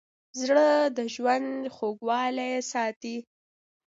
زړه د ژوند خوږوالی ساتي.